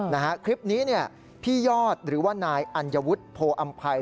นะฮะคลิปนี้พี่ยอดหรือว่านายอันยวุฒิโภอำภัย